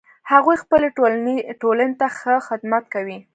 هغوی خپلې ټولنې ته ښه خدمت کوي